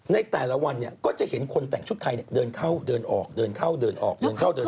ในแต่ละวันเนี่ยก็จะเห็นคนแต่งชุดไทยเดินเข้าเดินออกเดินเข้าเดินออกเดินเข้าเดิน